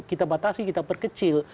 kita batasi kita perkecil